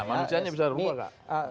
manusianya bisa berubah kak